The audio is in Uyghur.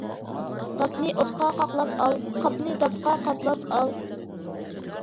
داپنى ئوتقا قاقلاپ ئال، قاپنى داپقا قاپلاپ ئال.